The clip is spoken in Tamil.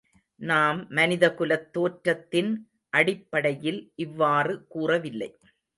நாம் மனிதகுலத் தோற்றத்தின் அடிப்டையில் இவ்வாறு கூறவில்லை.